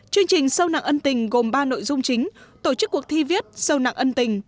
chương trình sâu nặng ân tình gồm ba nội dung chính tổ chức cuộc thi viết sâu nặng ân tình